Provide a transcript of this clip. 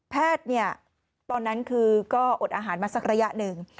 ตอนนั้นคือก็อดอาหารมาสักระยะหนึ่ง